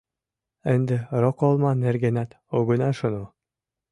Ынде роколма нергенат огына шоно.